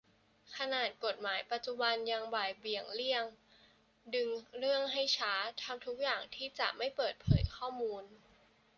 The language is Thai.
ขนาดกฎหมายปัจจุบัน ยังบ่ายเบี่ยง เลี่ยง ดึงเรื่องให้ช้า ทำทุกทางที่จะไม่เปิดเผยข้อมูล